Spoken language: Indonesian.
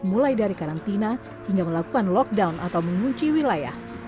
mulai dari karantina hingga melakukan lockdown atau mengunci wilayah